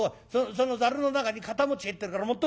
そのざるの中に堅餅入ってるから持ってこい。